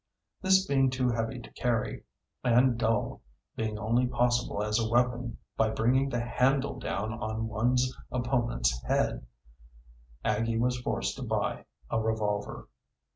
This being too heavy to carry, and dull being only possible as a weapon by bringing the handle down on one's opponent's head Aggie was forced to buy a revolver.